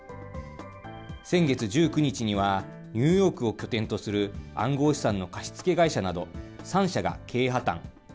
先月１９日には、ニューヨークを拠点とする暗号資産の貸し付け会社など３社が経営破綻。